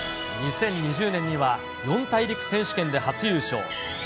２０２０年には四大陸選手権で初優勝。